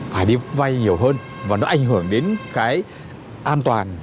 phải đi vay nhiều hơn và nó ảnh hưởng đến cái an toàn